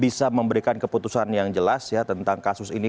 bisa memberikan keputusan yang jelas ya tentang kasus ini